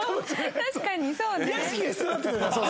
確かにそうね。